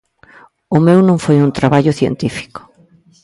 O meu non foi un traballo científico.